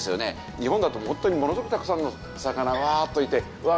日本だと本当にものすごくたくさんの魚がわーっといてうわあ